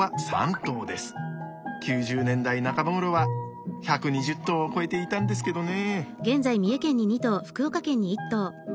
９０年代半ばごろは１２０頭を超えていたんですけどね。